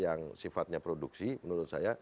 yang sifatnya produksi menurut saya